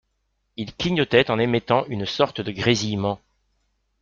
Il clignotait en émettant une sorte de grésillement.